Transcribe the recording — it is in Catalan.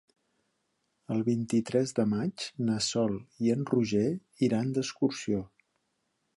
El vint-i-tres de maig na Sol i en Roger iran d'excursió.